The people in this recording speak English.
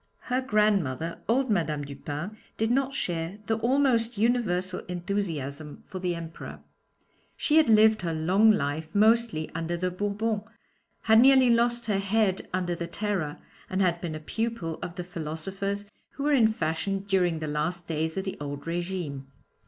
Her grandmother, old Madame Dupin, did not share the almost universal enthusiasm for the Emperor she had lived her long life mostly under the Bourbons, had nearly lost her head under the Terror, and had been a pupil of the philosophers who were in fashion during the last days of the old régime.